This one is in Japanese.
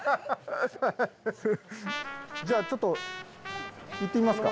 じゃあちょっと行ってみますか。